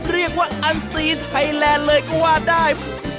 เรียกว่าอันสีไทยแลนด์เลยก็ว่าได้